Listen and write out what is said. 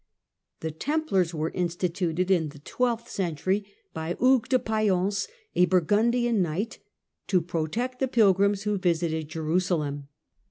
The Templars were instituted in the twelfth century by Hugh de Payens, a Burgundian knight, to protect the pilgrims who visited Jerusalem.